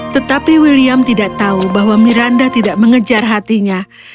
tetapi william tidak tahu bahwa miranda tidak mengejar hatinya